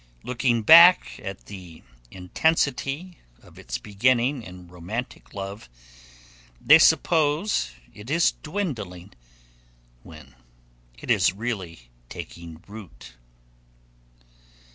Looking back at the intensity of its beginning in romantic love, they suppose it is dwindling, when it is really taking root.